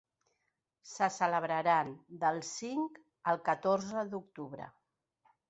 Se celebraran del cinc al catorze d’octubre.